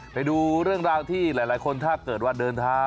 ไปดูเรื่องราวที่หลายคนถ้าเกิดว่าเดินทาง